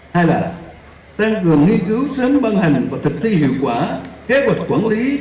hai là tăng cường nghiên cứu sớm băng hành và thực thi hiệu quả kế hoạch quản lý